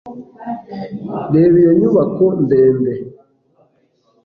reba iyo nyubako ndende